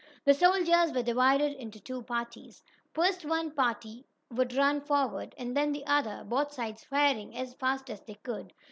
The soldiers were divided into two parties. First one party would run forward, and then the other, both sides firing as fast as they could.